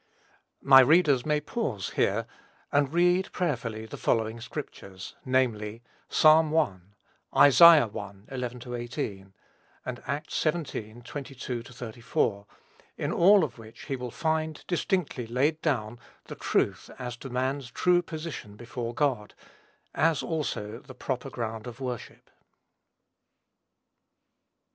My readers may pause, here, and read prayerfully the following scriptures, namely, Psalm i.; Isaiah i. 11 18; and Acts xvii. 22 34, in all of which he will find distinctly laid down the truth as to man's true position before God, as also the proper ground of worship.